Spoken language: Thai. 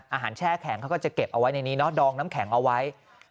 แช่แข็งเขาก็จะเก็บเอาไว้ในนี้เนาะดองน้ำแข็งเอาไว้